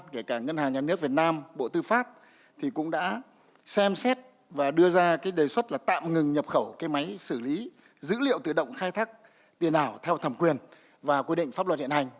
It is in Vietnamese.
kể cả ngân hàng nhà nước việt nam bộ tư pháp thì cũng đã xem xét và đưa ra cái đề xuất là tạm ngừng nhập khẩu máy xử lý dữ liệu tự động khai thác tiền ảo theo thẩm quyền và quy định pháp luật hiện hành